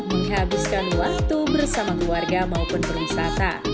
menghabiskan waktu bersama keluarga maupun berwisata